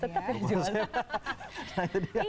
tetap buku resep